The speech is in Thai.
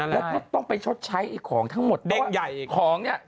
แล้วต้องไปชดใช้ของทั้งหมดเพราะว่าของเนี่ย